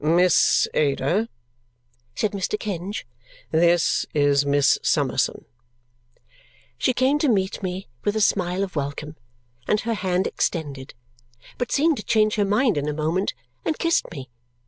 "Miss Ada," said Mr. Kenge, "this is Miss Summerson." She came to meet me with a smile of welcome and her hand extended, but seemed to change her mind in a moment and kissed me.